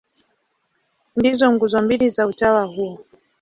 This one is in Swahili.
Ndizo nguzo mbili za utawa huo.